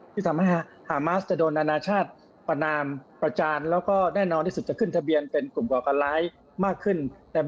ที่ทำให้ฮามาสจะโดนอนาชาติประนามประจานแล้วก็แน่นอนที่สุดจะขึ้นทะเบียนเป็นกลุ่มก่อการร้ายมากขึ้น